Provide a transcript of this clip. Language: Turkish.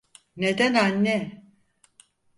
Neden anne?